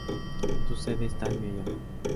Su sede está en Miami.